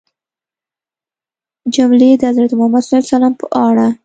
جملې د حضرت محمد ﷺ په اړه